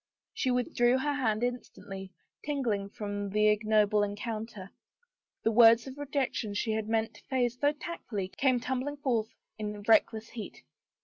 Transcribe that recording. She withdrew her hand instantly, tingling from the ignoble encounter. The words of rejection she had meant to phrase so tactfully came tumbling forth in reckless heat.